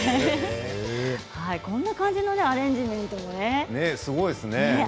こんな感じのアレンジメントもあるんですね。